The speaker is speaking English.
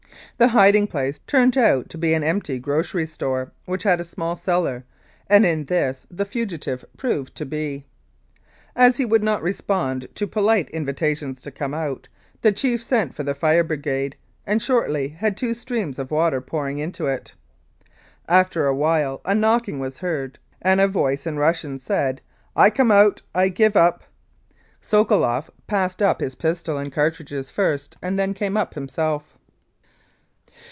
The hiding place turned out to be an empty grocery store, which had a small cellar, and in this the fugitive proved to be. As he would not respond to polite invitations to come out, the Chief sent for the fire brigade, and shortly had two streams of water pouring into it. After a while a knocking was heard, and a voice in Russian said, " I come out ; I give up." Sokoloff passed up his pistol and cartridges first and then came up himself.